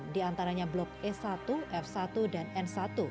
di antaranya blok e satu f satu dan n satu